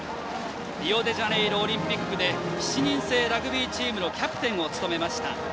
リオデジャネイロオリンピックで７人制ラグビーチームのキャプテンを務めました。